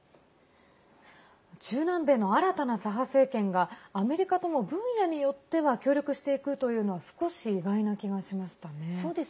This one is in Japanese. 中南米の新たな左派政権がアメリカとも分野によっては協力していくというのは少し意外な気がしましたね。